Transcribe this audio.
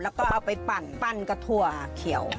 แล้วก็เอาไปปั่นกระถั่วเขียว